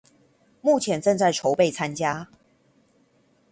目前正在籌備參加